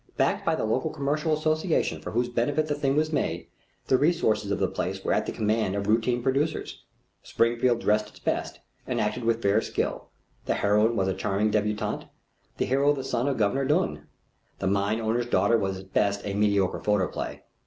Backed by the local commercial association for whose benefit the thing was made, the resources of the place were at the command of routine producers. Springfield dressed its best, and acted with fair skill. The heroine was a charming débutante, the hero the son of Governor Dunne. The Mine Owner's Daughter was at best a mediocre photoplay.